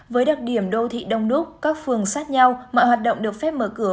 với đặc điểm đô thị đông đúc các phường sát nhau mọi hoạt động được phép mở cửa